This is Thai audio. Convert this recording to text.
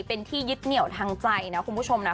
เป็นที่ยึดเหนียวทางใจนะคุณผู้ชมนะ